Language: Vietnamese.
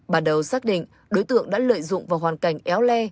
bắt đầu xác định đối tượng đã lợi dụng vào hoàn cảnh éo le